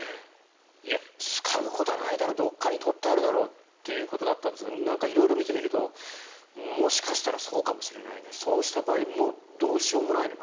いや、使うことはないだろうどっかに取ってあるだろうということだったんですが色々見てみるともしかしたらそうかもしれないそうした場合もうどうしようもないね